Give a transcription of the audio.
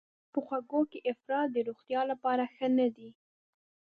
په خوږو کې افراط د روغتیا لپاره ښه نه دی.